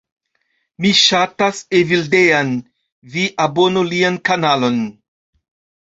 Mi ŝatas Evildean. Vi abonu lian kanalon.